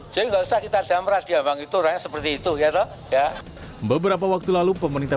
jadi enggak usah kita jamrah diamang itu raya seperti itu ya ya beberapa waktu lalu pemerintah